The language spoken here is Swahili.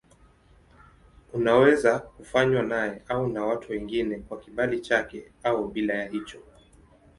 Unaweza kufanywa naye au na watu wengine kwa kibali chake au bila ya hicho.